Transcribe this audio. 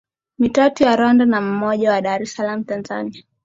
Mitatu ya Rwanda na mmoja wa Dar es salaam Tanzania